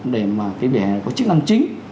để mà cái vỉa hè có chức năng chính